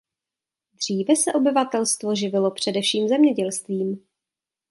Dříve se obyvatelstvo živilo především zemědělstvím.